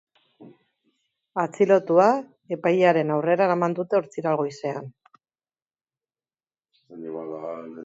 Atxilotua epailearen aurrera eraman dute ostiral goizean.